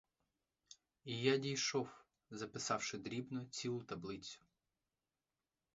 І я дійшов, записавши дрібно цілу таблицю.